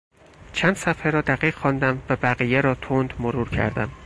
چند صفحه را دقیق خواندم و بقیه را تند مرور کردم.